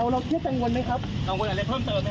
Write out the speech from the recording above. แล้วก็บอกว่าก็ทำไมวันนี้จะได้เงินเท่าไรเดี๋ยวเงินเยอะมั้ย